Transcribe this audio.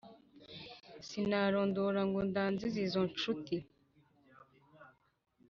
sinarondora ngo ndanzize izo ncuti,